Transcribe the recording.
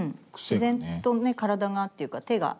自然とねっ体がっていうか手が。